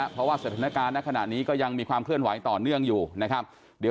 เพราะว่าสถานการณ์ในขณะนี้ก็ยังมีความเคลื่อนไหวต่อเนื่องอยู่นะครับ